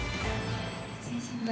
失礼します。